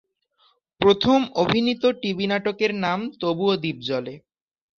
প্রথম অভিনীত টিভি নাটকের নাম ‘তবুও দ্বীপ জ্বলে’।